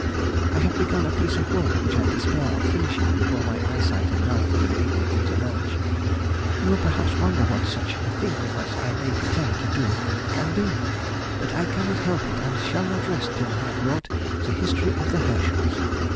I have begun a piece of work which I despair of finishing before my eyesight and life will leave me in the lurch. You will perhaps wonder what such a thing as I may pretend to do, can be, but I cannot help it, and shall not rest till I have wrote the History of the Herschels.